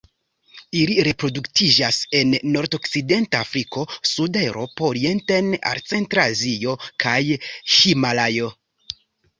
Ili reproduktiĝas en nordokcidenta Afriko, suda Eŭropo orienten al centra Azio, kaj Himalajo.